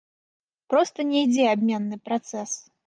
Проста не ідзе абменны працэс.